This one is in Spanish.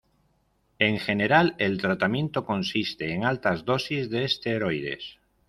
En general, el tratamiento consiste en altas dosis de esteroides.